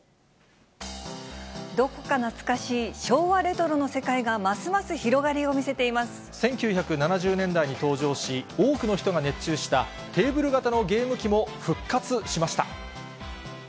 どこか懐かしい昭和レトロの世界が、１９７０年代に登場し、多くの人が熱中したテーブル型のゲーム機も復活しました。